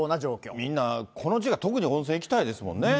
みんなこの時期は特に温泉行きたいですもんね。